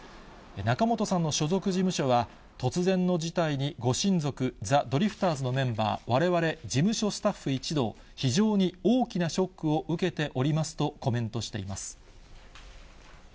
仲本さんの所属事務所は、突然の事態にご親族、ザ・ドリフターズのメンバー、われわれ事務所スタッフ一同、非常に大きなショックを受けておりますとコメントしています。